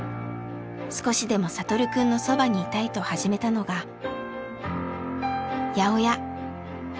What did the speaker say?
少しでも聖くんのそばにいたいと始めたのが八百屋！